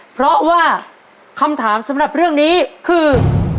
เพราะว่าคำถามสำหรับเรื่องนี้คือ